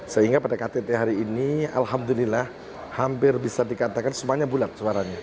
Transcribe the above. sehingga pada ktt hari ini alhamdulillah hampir bisa dikatakan semuanya bulat suaranya